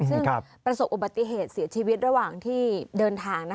ซึ่งประสบอุบัติเหตุเสียชีวิตระหว่างที่เดินทาง